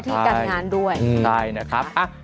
เสียหน้าที่การงานด้วย